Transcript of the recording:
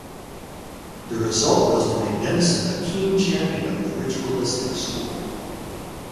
The result was to make Denison a keen champion of the ritualistic school.